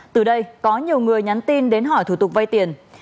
từ đây có nhiều người nhắn tin đến hỏi thủ tục vay tiền